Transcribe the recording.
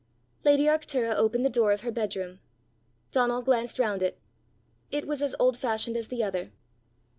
Lady Arctura opened the door of her bedroom. Donal glanced round it. It was as old fashioned as the other.